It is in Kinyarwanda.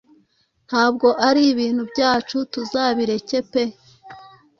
ntabwo ari ibintu byacu tuzabireke pe